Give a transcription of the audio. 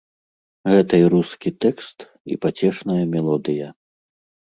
Гэта і рускі тэкст, і пацешная мелодыя.